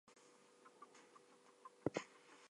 She was listed as fifty-seven years old.